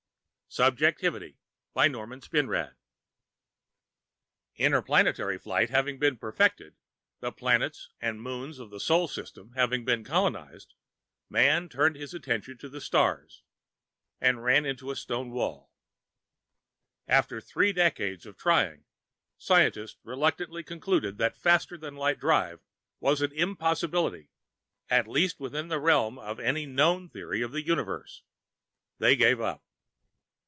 NORMAN SPINRAD Illustrated by Leo Summers Interplanetary flight having been perfected, the planets and moons of the Sol system having been colonized, Man turned his attention to the stars. And ran into a stone wall. After three decades of trying, scientists reluctantly concluded that a faster than light drive was an impossibility, at least within the realm of any known theory of the Universe. They gave up.